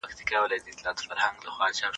دوی تر نورو مخکي څېړنې پيل کړې.